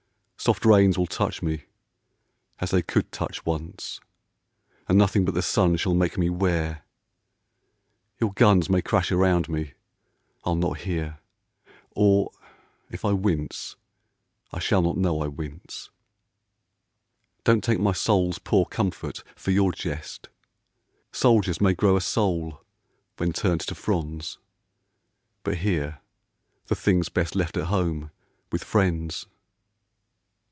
Soft rains will touch me,— as they could touch once, And nothing but the sun shall make me ware. Your guns may crash around me. I'll not hear ; Or, if I wince, I shall not know I wince. Don't take my soul's poor comfort for your jest. Soldiers may grow a soul when turned to fronds, But here the thing's best left at home with friends.